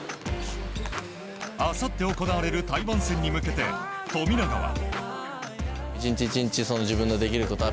あさって行われる台湾戦に向けて富永は。